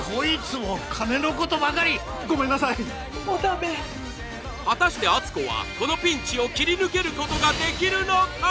もうだめ果たして篤子はこのピンチを切り抜けることができるのか？